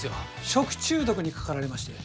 食中毒にかかられまして。